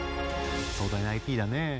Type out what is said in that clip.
壮大なＩＰだね。